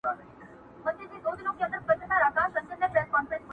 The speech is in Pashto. o پر ړانده شپه او ورځ يوه ده!